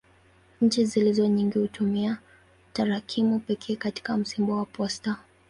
Nchi zilizo nyingi hutumia tarakimu pekee katika msimbo wa posta.